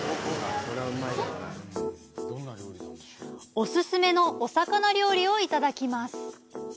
お勧めのお魚料理をいただきます。